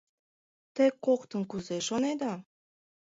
Те коктын кузе шонеда?